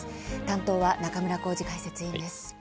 担当は中村幸司解説委員です。